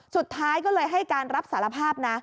สุดท้ายก็เลยให้การรับสารภาพนะ